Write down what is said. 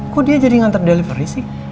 kok dia jadi ngantar delivery sih